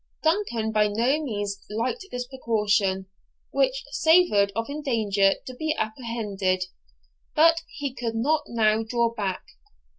Duncan by no means liked this precaution, which savoured of danger to be apprehended; but he could not now draw back.